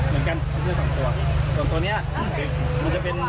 แล้วจะเซ็นเซอร์ผ่านสายเคเบิ้ล